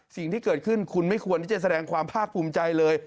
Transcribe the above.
สิ่งที่เกิดขึ้นคุณไม่ควรที่จะแสดงความภาคภูมิใจเลย